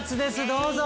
どうぞ！